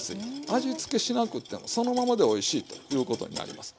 味付けしなくてもそのままでおいしいということになります。